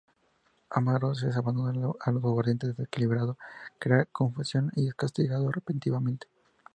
Amaro se abandona al aguardiente, desequilibrado, crea confusión y es castigado repetidamente.